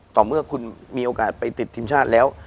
ต่อเมื่อคุณมีโอกาสไปติดทีมชาติแล้ว